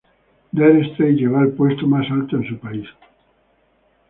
Dire Straits llegó al puesto más alto en su país.